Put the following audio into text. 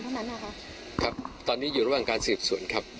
พระราชการเพราะมั้งนะคะครับตอนนี้อยู่ระหว่างการสืบส่วนครับ